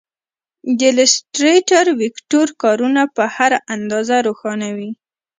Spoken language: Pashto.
د ایلیسټریټر ویکتور کارونه په هر اندازه روښانه وي.